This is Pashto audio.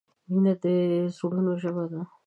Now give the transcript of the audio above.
مینه د زړونو ژبه ده.